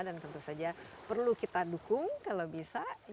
dan tentu saja perlu kita dukung kalau bisa